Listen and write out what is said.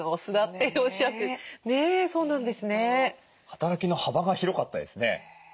働きの幅が広かったですね。